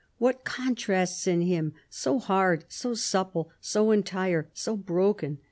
" What contrasts in him ! So hard, so supple, so entire, so broken